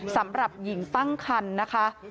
สำหรับหญิงตั้งคันนะคะ